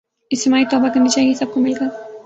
اجتماعی توبہ کرنی چاہیے سب کو مل کے